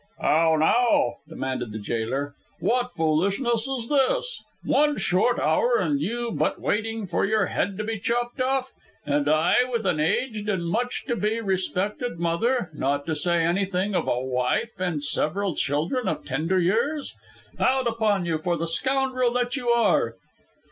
"How now?" demanded the jailer. "What foolishness is this? One short hour, and you but waiting for your head to be chopped off! And I, with an aged and much to be respected mother, not to say anything of a wife and several children of tender years! Out upon you for the scoundrel that you are!"